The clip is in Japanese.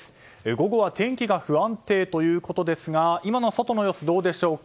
午後は天気が不安定ということですが今の外の様子、どうでしょうか。